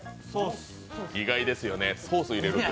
意外ですよね、ソース入れるって。